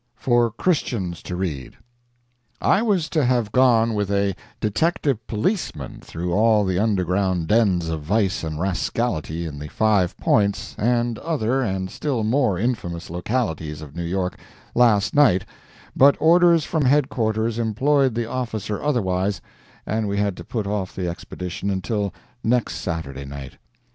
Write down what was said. FOR CHRISTIANS TO READ I WAS to have gone with a detective policeman through all the underground dens of vice and rascality in the Five Points and other and still more infamous localities of New York, last night, but orders from headquarters employed the officer otherwise, and we had to put off the expedition until next Saturday night.